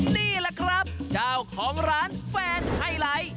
นี่แหละครับเจ้าของร้านแฟนไฮไลท์